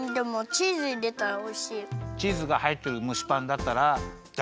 チーズがはいってるむしパンだったらだいすき？